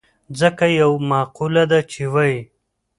ځکه يوه مقوله ده چې وايي.